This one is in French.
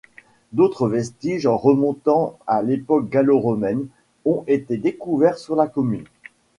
D'autres vestiges, remontant à l'époque gallo-romaine, ont été découverts sur la commune.